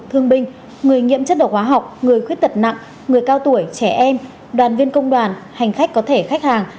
thương binh người nhiễm chất độc hóa học người khuyết tật nặng người cao tuổi trẻ em đoàn viên công đoàn hành khách có thể khách hàng